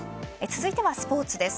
続いてはスポーツです。